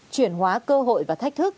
chuyển hóa cơ hội và thách thức